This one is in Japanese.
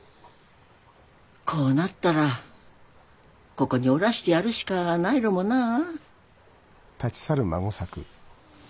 こうなったらここにおらしてやるしかないろもなあ。